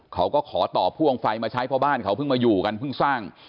ขอต่อพ่วงไฟมาใช้เพราะบ้านเขาเพิ่งมาอยู่กันเพิ่งสร้าง